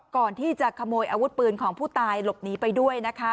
ก่อนที่จะขโมยอาวุธปืนของผู้ตายหลบหนีไปด้วยนะคะ